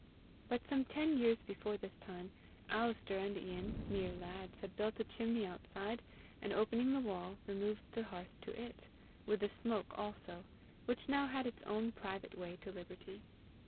But some ten years before this time, Alister and Ian, mere lads, had built a chimney outside, and opening the wall, removed the hearth to it with the smoke also, which now had its own private way to liberty.